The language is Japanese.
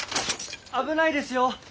危ないですよ。